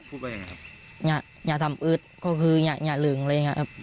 พูดว่ายังไงครับอย่าอย่าทำอึดก็คืออย่าอย่าลืมอะไรอย่างเงี้ครับ